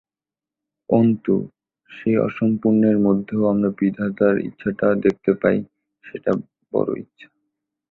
অন্তু, সেই অসম্পূর্ণের মধ্যেও আমরা বিধাতার ইচ্ছাটা দেখতে পাই–সেটা বড়ো ইচ্ছা।